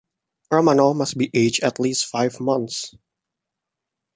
Romano must be aged at least five months.